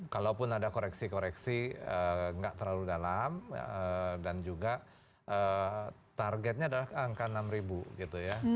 kalaupun ada koreksi koreksi nggak terlalu dalam dan juga targetnya adalah angka enam ribu gitu ya